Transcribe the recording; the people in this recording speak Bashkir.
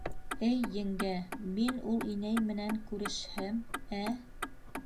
— Эй, еңгә, мин ул инәй менән күрешһәм, ә?